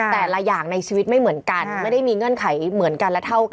แต่ละอย่างในชีวิตไม่เหมือนกันไม่ได้มีเงื่อนไขเหมือนกันและเท่ากัน